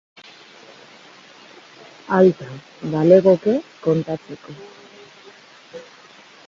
Alta, balegoke kontatzeko.